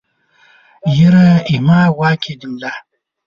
ږېره زما واک ېې د ملا